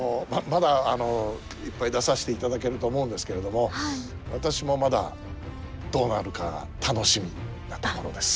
まだいっぱい出させていただけると思うんですけれども私もまだどうなるか楽しみなところです。